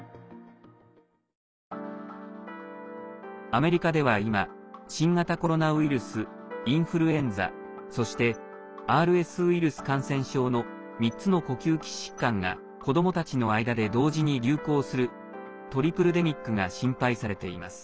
アメリカでは今新型コロナウイルスインフルエンザそして、ＲＳウイルス感染症の３つの呼吸器疾患が子どもたちの間で同時に流行するトリプルデミックが心配されています。